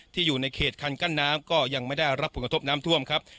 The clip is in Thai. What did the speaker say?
อยู่ในเขตคันกั้นน้ำก็ยังไม่ได้รับผลกระทบน้ำท่วมครับ